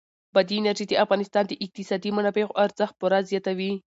بادي انرژي د افغانستان د اقتصادي منابعو ارزښت پوره زیاتوي.